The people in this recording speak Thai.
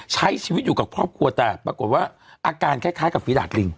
ใช้ชีวิตอยู่กับครอบครัวแต่ปรากฏว่าอาการคล้ายกับฝีดาดลิง